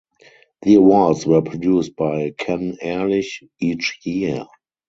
The awards were produced by Ken Ehrlich each year.